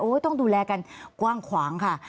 ต้องดูแลกันกว้างขวางค่ะ